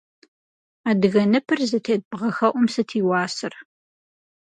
Адыгэ ныпыр зытет бгъэхэӏум сыт и уасэр?